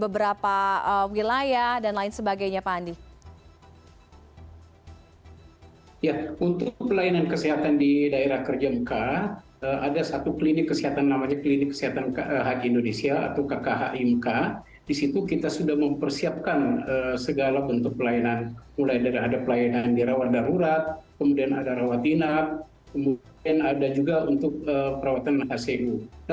bagaimana memastikan kesiapan terhadap pelayanan kesehatan bagi jemaah haji indonesia